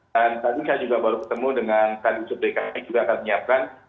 dan tadi saya juga baru ketemu dengan kajus udikani juga akan menyiapkan